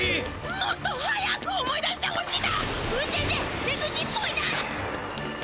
もっと早く思い出してほしいだ！